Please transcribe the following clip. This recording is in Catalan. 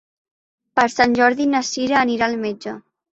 Per Sant Jordi na Cira anirà al metge.